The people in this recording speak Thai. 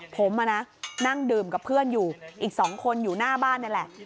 ผมนั่งดื่มกับเพื่อนอยู่อีก๒คนอยู่หน้าบ้านนี่แหละ